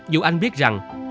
dù anh biết rằng